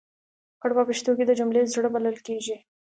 کړ په پښتو کې د جملې زړه بلل کېږي.